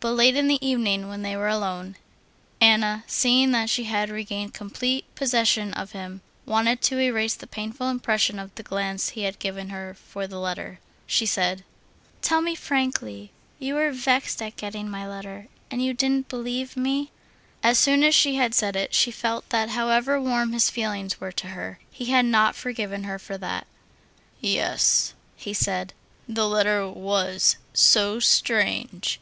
But late in the evening, when they were alone, Anna, seeing that she had regained complete possession of him, wanted to erase the painful impression of the glance he had given her for her letter. She said: "Tell me frankly, you were vexed at getting my letter, and you didn't believe me?" As soon as she had said it, she felt that however warm his feelings were to her, he had not forgiven her for that. "Yes," he said, "the letter was so strange.